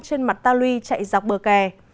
trên mặt ta lui chạy dọc bờ kè